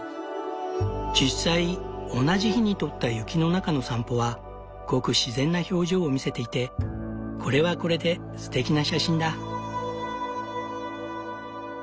実際同じ日に撮った雪の中の散歩はごく自然な表情を見せていてこれはこれですてきな写真だ。